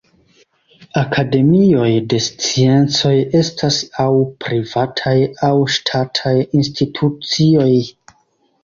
Akademioj de Sciencoj estas aŭ privataj aŭ ŝtataj institucioj.